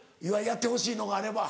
やってほしいのがあれば。